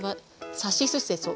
「さしすせそ」